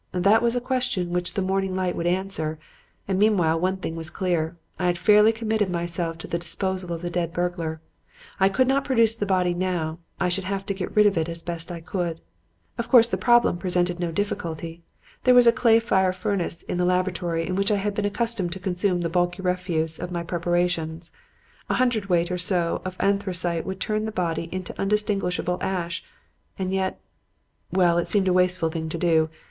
That was a question which the morning light would answer; and meanwhile one thing was clear: I had fairly committed myself to the disposal of the dead burglar. I could not produce the body now; I should have to get rid of it as best I could. "Of course, the problem presented no difficulty. There was a fire clay furnace in the laboratory in which I had been accustomed to consume the bulky refuse of my preparations. A hundredweight or so of anthracite would turn the body into undistinguishable ash; and yet well, it seemed a wasteful thing to do.